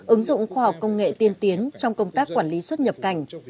ứng dụng khoa học công nghệ tiên tiến trong công tác quản lý xuất nhập cảnh